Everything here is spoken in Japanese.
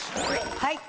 はい。